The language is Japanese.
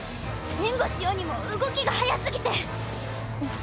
援護しようにも動きが速すぎて。